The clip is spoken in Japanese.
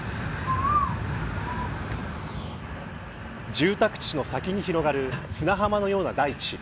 住宅地の先に広がる砂浜のような大地。